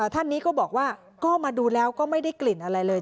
ท่านนี้ก็บอกว่าก็มาดูแล้วก็ไม่ได้กลิ่นอะไรเลย